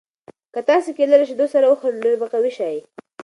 که تاسي کیله له شیدو سره وخورئ نو ډېر به قوي شئ.